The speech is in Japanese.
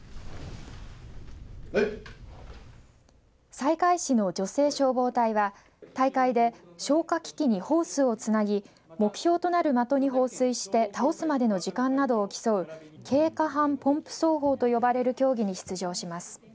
西海市の女性消防隊は大会で消火機器にホースをつなぎ目標となる的に放水して倒すまでの時間などを競う軽可搬ポンプ操法と呼ばれる競技に出場します。